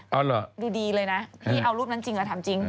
เอาเหรอดูดีเลยนะพี่เอารูปนั้นจริงเหรอถามจริง